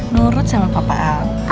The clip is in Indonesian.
nurut sama papa al